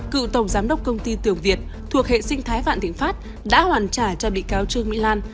cựu tổng giám đốc công ty tường việt thuộc hệ sinh thái vạn thịnh pháp đã hoàn trả cho bị cáo trương mỹ lan